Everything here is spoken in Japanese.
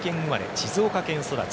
静岡育ち